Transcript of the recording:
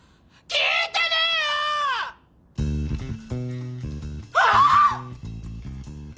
聞いてねえよ！はあ！？